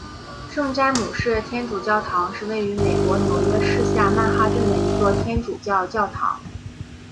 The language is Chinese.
圣詹姆士天主教堂是位于美国纽约市下曼哈顿的一座天主教教堂。